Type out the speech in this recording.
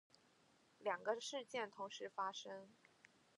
两个事件同时发生